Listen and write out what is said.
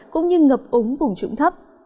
cũng như ngập úng vùng trũng thấp